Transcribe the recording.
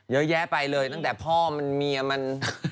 เยอะแยะไปเลยตั้งแต่พ่อมันเมียมัน